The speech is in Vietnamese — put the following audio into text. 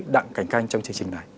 đặng cảnh khanh trong chương trình này